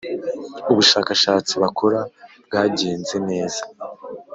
ubushakashatsi bakora bwagenze neza